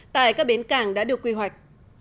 tại các bến cảng đã được quy hoạch